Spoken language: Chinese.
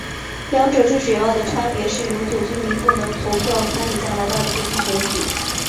两者最主要的差别是永久居民不能投票参与加拿大的部分选举。